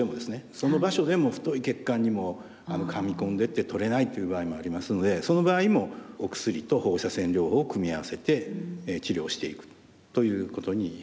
その場所でも太い血管にもうかみ込んでて取れないという場合もありますのでその場合もお薬と放射線療法を組み合わせて治療していくということになります。